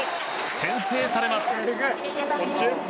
先制されます。